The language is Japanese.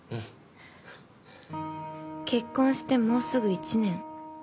結婚してもうすぐ１年。